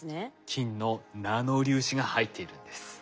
金のナノ粒子が入っているんです。